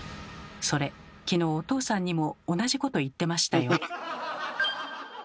それ昨日お父さんにも同じこと言ってましたよ。